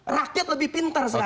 rakyat lebih pintar sekarang